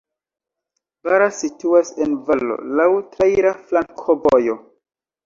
Bara situas en valo, laŭ traira flankovojo.